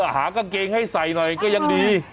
หากางเกงให้ใส่หน่อยก็ยังดี